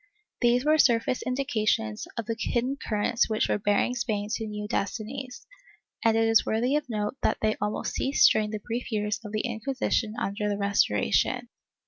^ These were surface indications of the hidden currents which were bearing Spain to new destinies, and it is worthy of note that they almost ceased during the brief years of the Inquisition under the Restoration.